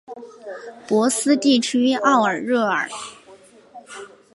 博斯地区奥尔热尔。